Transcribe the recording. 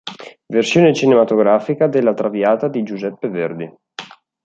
Versione cinematografica della Traviata di Giuseppe Verdi.